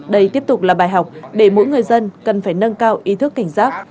đây tiếp tục là bài học để mỗi người dân cần phải nâng cao ý thức cảnh giác